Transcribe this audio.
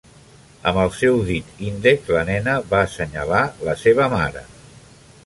Amb el seu dit índex la nena va assenyalar la seva mare.